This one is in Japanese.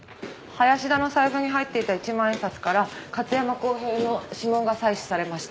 林田の財布に入っていた一万円札から勝山康平の指紋が採取されました。